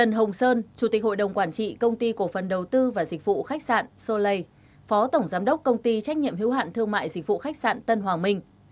phó tổng giám đốc công ty trách nhiệm hữu hạn thương mại dịch vụ khách sạn tân hoàng minh